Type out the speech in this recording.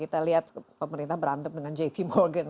kita lihat pemerintah berantem dengan jp morgan